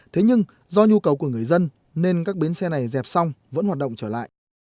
thế nhưng do nhu cầu của người dân nên các bến xe này dẹp xong vẫn hoạt động trở lại